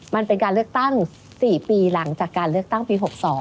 มันเป็นการเลือกตั้ง๔ปีหลังจากการเลือกตั้งปี๖๒